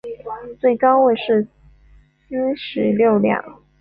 最高位是西十两六。